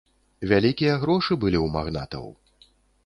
Вялікія грошы былі ў магнатаў.